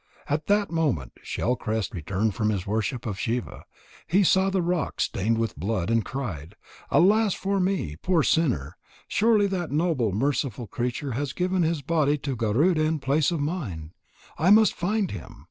At that moment Shell crest returned from his worship of Shiva. He saw the rock stained with blood, and cried: "Alas for me, poor sinner! Surely that noble, merciful creature has given his body to Garuda in place of mine. I must find him.